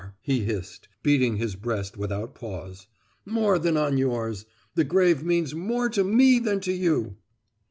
he hissed, beating his breast without pause—"more than on yours—the grave means more to me than to you!"